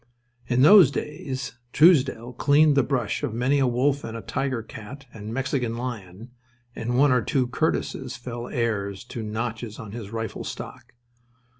In those days Truesdell cleaned the brush of many a wolf and tiger cat and Mexican lion; and one or two Curtises fell heirs to notches on his rifle stock.